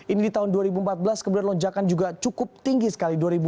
ini di tahun dua ribu empat belas kemudian lonjakan juga cukup tinggi sekali